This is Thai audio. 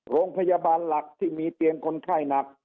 โรงพยาบาลหลักที่มีเตียงคนไข้หนัก